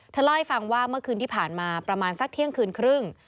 เล่าให้ฟังว่าเมื่อคืนที่ผ่านมาประมาณสักเที่ยงคืนครึ่ง